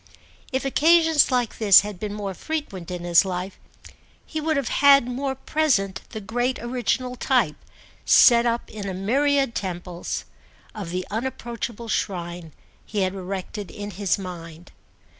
If occasions like this had been more frequent in his life he would have had more present the great original type, set up in a myriad temples, of the unapproachable shrine he had erected in his mind.